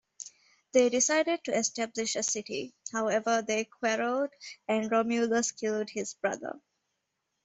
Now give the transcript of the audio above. They decided to establish a city; however, they quarreled, and Romulus killed his brother.